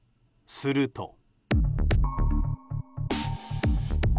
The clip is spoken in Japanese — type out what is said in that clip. すると。